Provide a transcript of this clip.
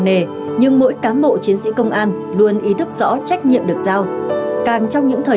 nề nhưng mỗi cán bộ chiến sĩ công an luôn ý thức rõ trách nhiệm được giao càng trong những thời